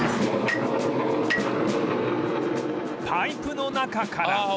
パイプの中から